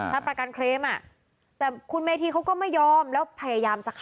แต่คุณแมธีก็ก็ไม่ยอม